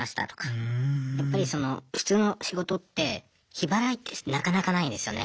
やっぱりその普通の仕事って日払いってなかなかないですよね。